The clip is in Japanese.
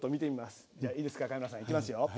じゃいいですかカメラさんいきますよ。